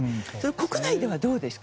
国内ではどうですか？